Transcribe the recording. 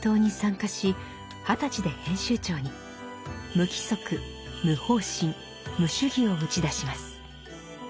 「無規則無方針無主義」を打ち出します。